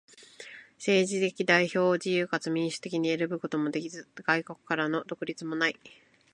政治的代表を自由かつ民主的に選ぶこともできず、外国からの独立もない。